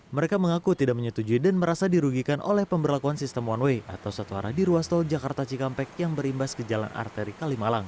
mereka mengaku tidak menyetujui dan merasa dirugikan oleh pemberlakuan sistem one way atau satu arah di ruas tol jakarta cikampek yang berimbas ke jalan arteri kalimalang